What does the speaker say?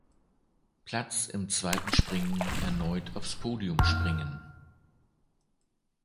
Platz im zweiten Springen erneut aufs Podium springen.